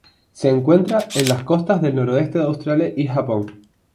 Se encuentran en las costas del noroeste de Australia y Japón.